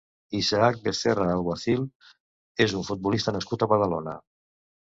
Isaac Becerra Alguacil és un futbolista nascut a Badalona.